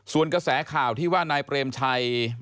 ส่วนกระแสข่าวที่ว่านายเปรมชัย